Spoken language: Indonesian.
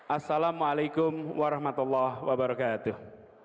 assalamu'alaikum warahmatullah wabarakatuh